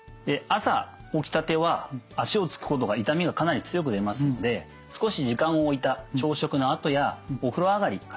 朝起きたては足をつくことが痛みがかなり強く出ますので少し時間を置いた朝食のあとやお風呂上がり。